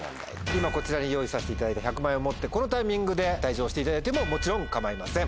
今こちらに用意させていただいた１００万円を持ってこのタイミングで退場していただいてももちろん構いません。